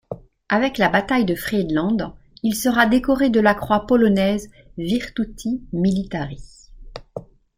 Avec la bataille de Friedland, il sera décoré de la croix polonaise Virtuti militari.